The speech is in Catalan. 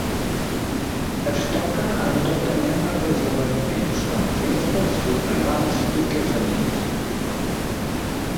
Es toca en tota mena d'esdeveniments com festes, funerals i casaments.